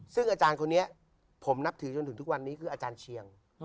ซึ่งอาจารย์คนนี้ผมนับถือจนถึงทุกวันนี้คืออาจารย์เชียง